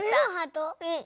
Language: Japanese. うん。